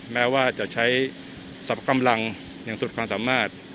แม้ว่าจะใช้สรรพกำลังอย่างสุดความสามารถ